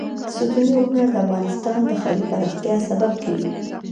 ستوني غرونه د افغانستان د ښاري پراختیا سبب کېږي.